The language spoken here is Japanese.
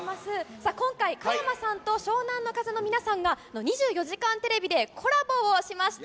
さあ、今回、加山さんと湘南乃風の皆さんが、２４時間テレビでコラボをしました。